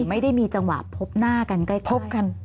ไม่ได้มีจังหวะพบหน้ากันใกล้พบกัน